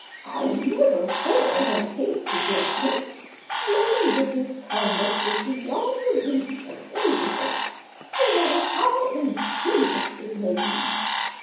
"I never form a hasty judgment. Lady Lydiard's conduct is beyond the reach of any defense, no matter how ingenious it may be.